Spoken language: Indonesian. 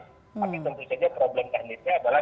tapi tentu saja problem teknisnya adalah